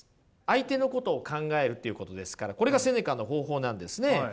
相手のことを考えるっていうことですからこれがセネカの方法なんですね。